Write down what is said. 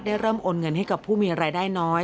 เริ่มโอนเงินให้กับผู้มีรายได้น้อย